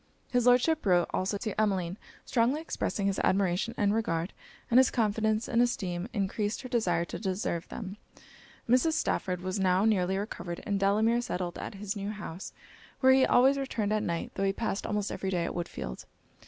His Lordship wrote also to Emmeline, strongly expressing his admiration and regard, and his confidence and esteem encreased her desire to deserve them. Mrs. Stafford was now nearly recovered; and Delamere settled at his new house, where he always returned at night, tho' he passed almost every day at Woodfield.